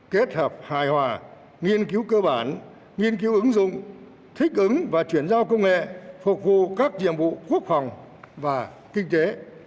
kết hợp hài hòa nghiên cứu cơ bản nghiên cứu ứng dụng thích ứng và chuyển giao công nghệ phục vụ các nhiệm vụ quốc phòng và kinh tế